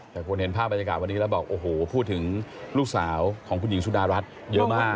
แต่คนเห็นภาพบรรยากาศวันนี้แล้วบอกโอ้โหพูดถึงลูกสาวของคุณหญิงสุดารัฐเยอะมาก